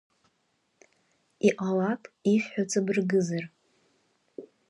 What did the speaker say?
Иҟалап ишәҳәо ҵабыргызар.